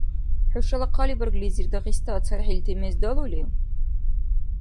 ХӀушала хъалибарглизир Дагъиста цархӀилти мез далулив?